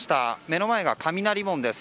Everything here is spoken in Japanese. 目の前が雷門です。